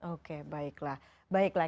oke baiklah baiklah